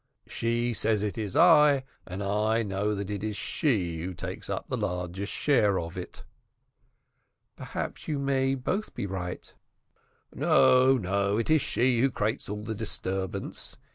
She says it is I, and I know that it is she, who takes the largest share of it." "Perhaps you may both be right." "No, no, it is she who creates all the disturbance.